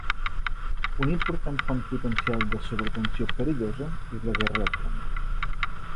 Una important font potencial de sobretensió perillosa és la guerra electrònica.